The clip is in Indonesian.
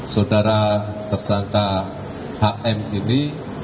saudara tersangka hm ini